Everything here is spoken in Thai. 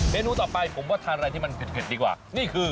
นูต่อไปผมว่าทานอะไรที่มันเผ็ดดีกว่านี่คือ